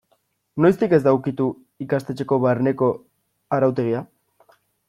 Noiztik ez da ukitu ikastetxeko barneko arautegia?